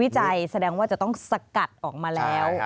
แสดงว่าจะต้องสกัดออกมาแล้ว